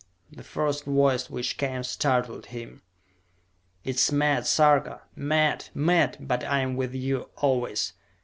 The first voice which came startled him. "It is mad, Sarka! Mad! Mad! But I am with you, always!"